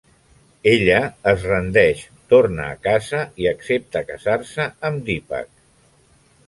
Ella es rendeix, torna a casa i accepta casar-se amb Deepak.